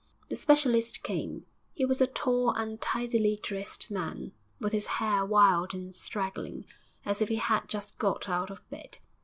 The specialist came. He was a tall, untidily dressed man, with his hair wild and straggling, as if he had just got out of bed.